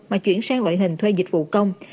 mà chuyển sang loại hình thuê dịch vụ công